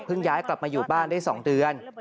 ย้ายกลับมาอยู่บ้านได้๒เดือน